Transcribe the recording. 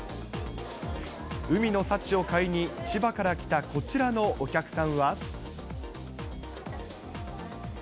海の幸を買いに、千葉から来たこちらのお客さんは。